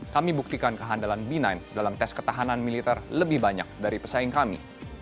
kami buktikan kehandalan b sembilan dalam tes ketahanan militer lebih banyak dari pesaing kami